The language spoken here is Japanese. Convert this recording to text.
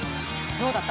どうだった？